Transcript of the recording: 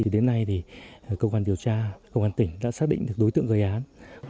đến nay công an điều tra công an tỉnh đã xác định được đối tượng gây án